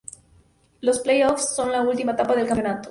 Los "Play-offs" son la última etapa del campeonato.